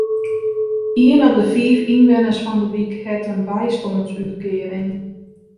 Ien op de fiif ynwenners fan de wyk hat in bystânsútkearing.